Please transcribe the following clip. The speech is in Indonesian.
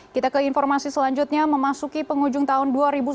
kita ke informasi selanjutnya memasuki penghujung tahun dua ribu sembilan belas